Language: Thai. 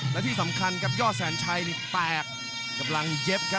และที่สำคัญครับยอดแสนชัยนี่แตกกำลังเย็บครับ